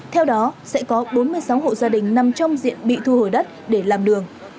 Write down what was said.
theo đó sẽ có bốn mươi sáu hộ gia đình nằm trong diện bị thu hồi đất để làm đường